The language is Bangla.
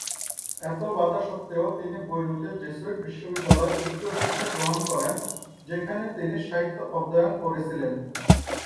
এই বাধা সত্ত্বেও, তিনি বৈরুতের জেসুইট বিশ্ববিদ্যালয়ে উচ্চশিক্ষা গ্রহণ করেন যেখানে তিনি সাহিত্য অধ্যয়ন করেছিলেন।